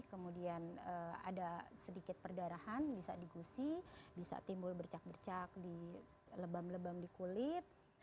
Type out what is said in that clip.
kemudian ada sedikit perdarahan bisa digusi bisa timbul bercak bercak di lebam lebam di kulit